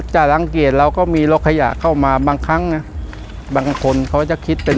จะสังเกตเราก็มีรถขยะเข้ามาบางครั้งนะบางคนเขาจะคิดเป็น